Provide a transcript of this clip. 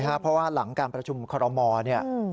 ใช่เพราะว่าหลังการประชุมคอลโรมอล์